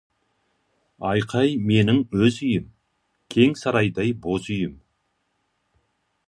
Айқай менің өз үйім, кең сарайдай боз үйім.